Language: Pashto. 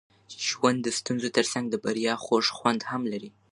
ژوند د ستونزو ترڅنګ د بریا خوږ خوند هم لري.